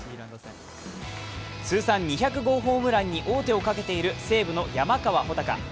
通算２００号ホームランに王手をかけている西武の山川穂高。